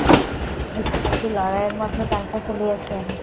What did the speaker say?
ঈশ্বর এ কী লড়াইয়ের মধ্যে তাহাকে ফেলিয়াছেন!